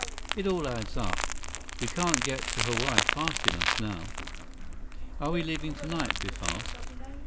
"It all adds up. We can't get to Hawaii fast enough now." "Are we leaving tonight?" Biff asked.